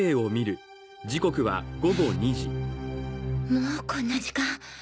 もうこんな時間。